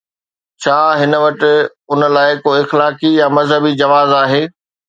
ڇا هن وٽ ان لاءِ ڪو اخلاقي يا مذهبي جواز آهي؟